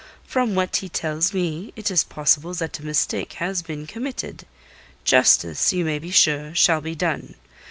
From what he tells me, it is possible that a mistake has been committed. Justice, you may be sure, shall be done.